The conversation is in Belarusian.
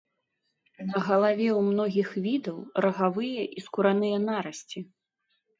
На галаве ў многіх відаў рагавыя і скураныя нарасці.